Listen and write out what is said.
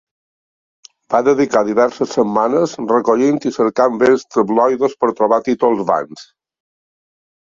Va dedicar diverses setmanes recollint i cercant vells tabloides per trobar títols vans.